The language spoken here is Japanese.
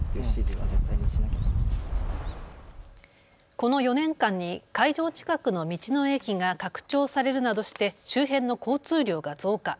この４年間に会場近くの道の駅が拡張されるなどして周辺の交通量が増加。